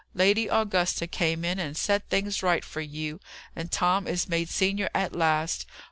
"Lady Augusta came in and set things right for you, and Tom is made senior at last.